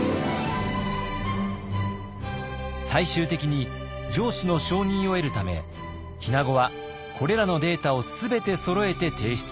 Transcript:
最終的に上司の承認を得るため日名子はこれらのデータを全てそろえて提出。